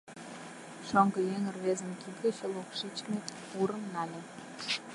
Шоҥгыеҥ рвезын кид гыч локшичме урым нале.